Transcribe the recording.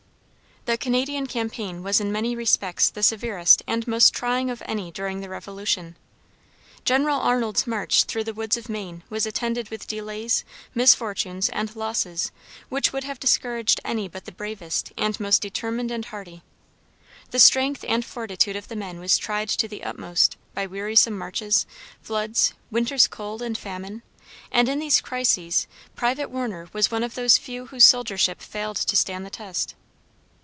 The Canadian campaign was in many respects the severest and most trying of any during the Revolution. General Arnold's march through the woods of Maine was attended with delays, misfortunes, and losses which would have discouraged any but the bravest, and most determined and hardy. The strength, and fortitude of the men was tried to the utmost, by wearisome marches, floods, winter's cold and famine, and in these crises private Warner was one of those few whose soldiership failed to stand the test.